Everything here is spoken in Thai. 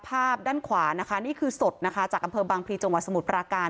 ภาพด้านขวานะคะนี่คือสดนะคะจากอำเภอบางพลีจังหวัดสมุทรปราการ